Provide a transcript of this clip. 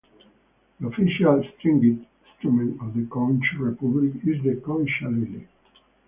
The official stringed instrument of The Conch Republic is the Conchalele.